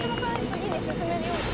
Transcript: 次に進めるように。